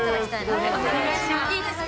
お願いします。